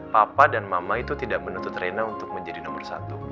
papa dan mama itu tidak menuntut rena untuk menjadi nomor satu